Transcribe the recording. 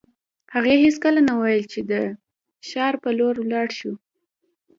هغې هېڅکله نه ویل چې د ښار په لور ولاړ شو